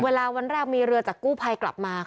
วันแรกมีเรือจากกู้ภัยกลับมา